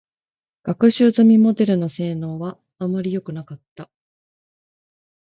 学習済みモデルの性能は、あまりよくなかった。